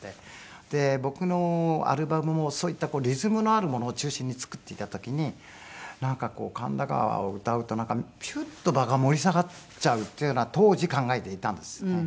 で僕のアルバムもそういったリズムのあるものを中心に作っていた時になんか『神田川』を歌うとヒュッと場が盛り下がっちゃうっていうのは当時考えていたんですね。